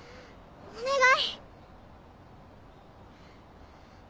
お願い！